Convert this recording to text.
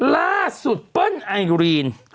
ล่าสุดเปิ้ลไอรีน